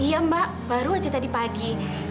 iya mbak baru aja tadi pagi